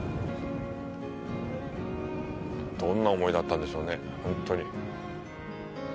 どんな思いだったんでしょうね、ほんとに。